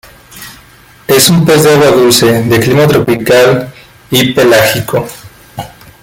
Es un pez de agua dulce, de clima tropical y pelágico.